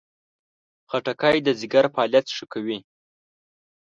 خټکی د ځیګر فعالیت ښه کوي.